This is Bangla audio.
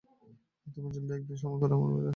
তুমি জলদি একদিন সময় করে আমাদের বাড়ি এসো।